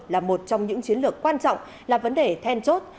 là một trong những chiến lược quan trọng là vấn đề then chốt